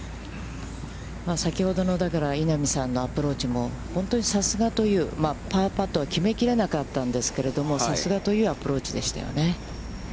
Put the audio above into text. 先ほどの稲見さんのアプローチも本当にさすがという、パーパットは決めきれなかったんですけれども、さすがというアプローチでしたよね。